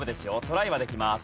トライはできます。